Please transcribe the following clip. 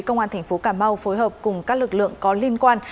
công an tp cà mau phối hợp cùng các lực lượng có liên quan